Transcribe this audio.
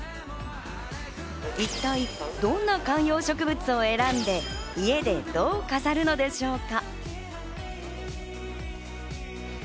一体どんな観葉植物を選んで、家でどう飾るのでしょうか。